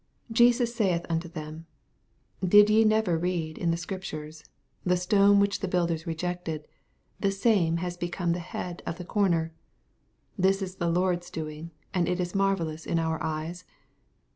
42 Jesus saith unto them. Did ve never read in the Scriptures, The stone which the builders rejected, the same is become the head of the comer: this is the Lord's doing, and it is marvellous in our eyes